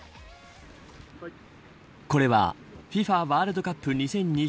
これはＦＩＦＡワールドカップ２０２２